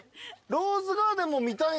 ローズガーデンも見たいな。